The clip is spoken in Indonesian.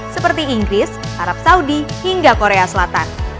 seperti inggris arab saudi hingga korea selatan